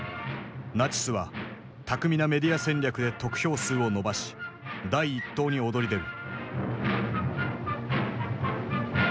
ナチスは巧みなメディア戦略で得票数を伸ばし第一党に躍り出る。